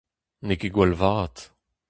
N'eo ket gwall vat.